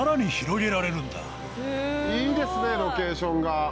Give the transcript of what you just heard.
いいですねロケーションが。